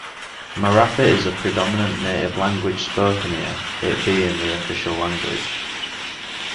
Marathi is the predominant native language spoken here, it being the official language.